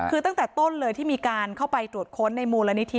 คือตั้งแต่ต้นเลยที่มีการเข้าไปตรวจค้นในมูลนิธิ